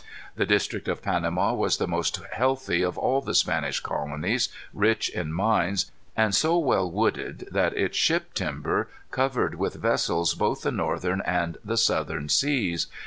The district of Panama was the most healthy of all the Spanish colonies, rich in mines, and so well wooded that its ship timber covered with vessels both the northern and the southern seas.